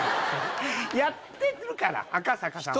やってるから赤坂さんは。